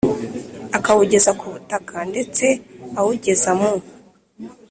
akawugeza ku butaka ndetse awugeza mu